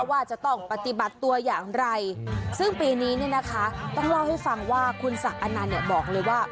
ว่าจะต้องปฏิบัติตัวอย่างไรซึ่งปีนี้เนี่ยนะคะต้องเล่าให้ฟังว่าคุณศักดิ์อนันต์เนี่ยบอกเลยว่า